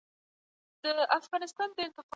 نظري پوهه د انسان فکر پراخوي.